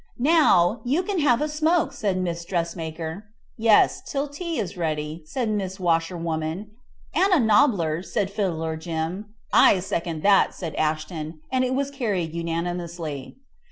"Now, you can have a smoke," said Miss Dressmaker. "Yes, till tea is ready," said Miss Washerwoman. "And a nobbler," said Fiddler Jim. "I second that," said Ashton, and it was carried unanimously.